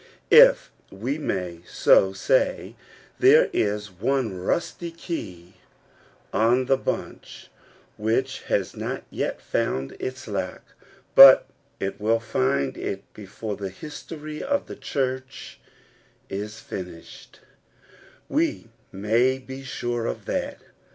If we may so say, there is one rusty key on the bunch which has not yet found its lock; but it will find it before the history of the church is finished : we may be sure of that.